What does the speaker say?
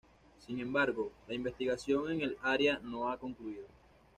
Sin embargo, la investigación en el área no ha concluido.